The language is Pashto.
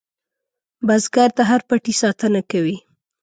بزګر د هر پټي ساتنه کوي